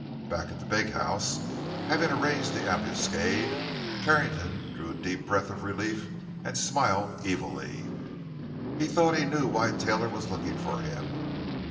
Back at the big house—having arranged the ambuscade—Carrington drew a deep breath of relief and smiled evilly. He thought he knew why Taylor was looking for him.